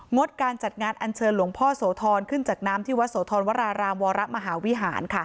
ดการจัดงานอัญเชิญหลวงพ่อโสธรขึ้นจากน้ำที่วัดโสธรวรารามวรมหาวิหาร